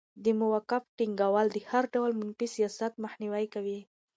د موقف ټینګول د هر ډول منفي سیاست مخنیوی کوي.